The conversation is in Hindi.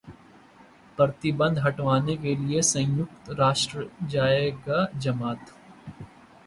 प्रतिबंध हटवाने के लिए संयुक्त राष्ट्र जाएगा जमात